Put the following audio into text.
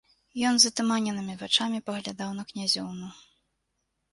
Ён затуманенымі вачамі паглядаў на князёўну.